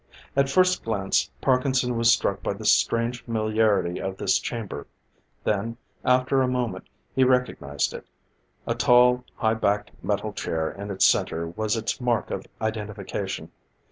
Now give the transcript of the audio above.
At first glance Parkinson was struck by the strange familiarity of this chamber: then, after a moment, he recognized it. A tall, high backed metal chair in its center was its mark of identification.